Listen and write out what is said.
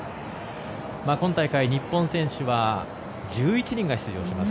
今大会、日本選手は１１人が出場します。